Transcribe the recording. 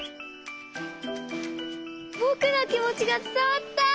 ぼくのきもちがつたわった！